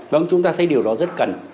vâng chúng ta thấy điều đó rất cần